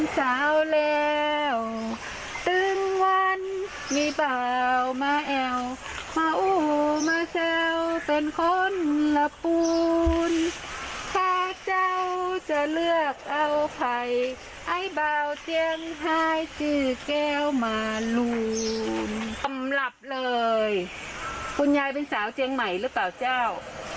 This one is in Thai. สาวแล้วคุณยายเป็นสาวเจียงใหม่หรือเปล่าเจ้า